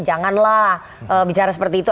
janganlah bicara seperti itu